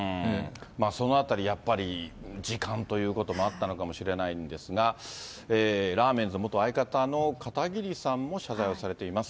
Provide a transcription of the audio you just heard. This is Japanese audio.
そのあたり、やっぱり時間ということもあったのかもしれないんですが、ラーメンズ、元相方の片桐さんも謝罪をされています。